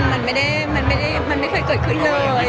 มันไม่ได้มันไม่เคยเกิดขึ้นเลย